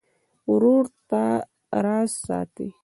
ورور د تا راز ساتي.